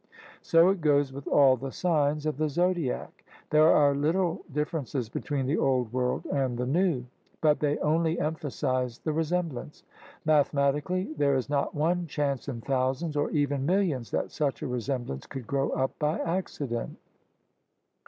So it goes with all the signs of the zodiac. There are little differences between the Old World and the New, but they only emphasize the resemblance. Mathematically there is not one chance in thousands or even millions that such a resemblance could grow up by accident.